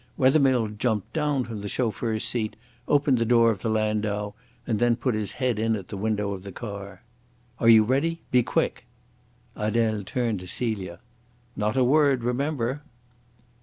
Wethermill jumped down from the chauffeur's seat, opened the door of the landau, and then put his head in at the window of the car. "Are you ready? Be quick!" Adele turned to Celia. "Not a word, remember!"